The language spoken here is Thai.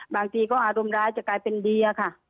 บางทีก็อารมณ์ร้ายจะกลายเป็นดีอะค่ะ